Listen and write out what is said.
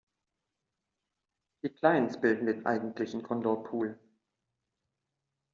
Die Clients bilden den eigentlichen Condor-Pool.